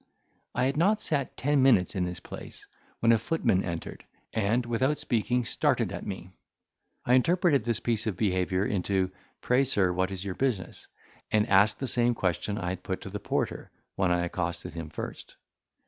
I had not sat ten minutes in this place, when a footman entered, and, without speaking, started at me; I interpreted this piece of his behaviour into, "Pray, sir, what is your business?" and asked the same question I had put to the porter, when I accosted him first.